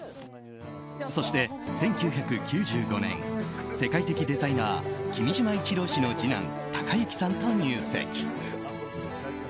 そして１９９５年世界的デザイナー君島一郎氏の次男誉幸さんと入籍。